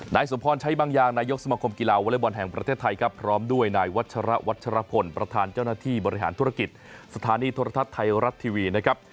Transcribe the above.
นายสมพรใช้บางอย่างนายกสมคมกีฬาวอเล็กบอลแห่งประเทศไทยครับพร้อมด้วยนายวัชระวัชรพลประธานเจ้าหน้าที่บริหารธุรกิจสถานีโทรทัศน์ไทยรัฐทีวีนะครับ